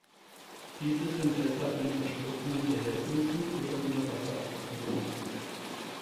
Diese sind deshalb in verschlossenen Behältnissen oder unter Wasser aufzubewahren.